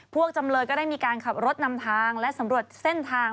จำเลยก็ได้มีการขับรถนำทางและสำรวจเส้นทาง